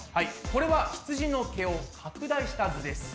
これはひつじの毛を拡大した図です。